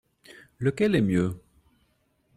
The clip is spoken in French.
Lequel est mieux ?